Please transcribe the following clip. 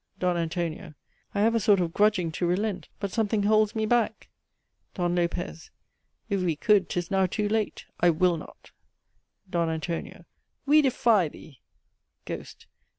"D. ANTON. I have a sort of grudging to relent, but something holds me back. "D. LOP. If we could, 'tis now too late. I will not. "D. ANT. We defy thee! "GHOST.